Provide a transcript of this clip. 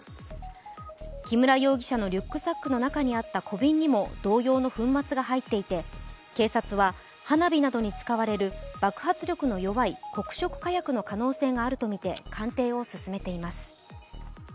木村容疑者のリュックサックの中にあった小瓶にも同様の粉末が入っていて警察は花火などに使われる爆発力の弱い黒色火薬の可能性があるとみて鑑定を進めています。